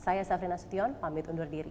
saya safrina sutyon pamit undur diri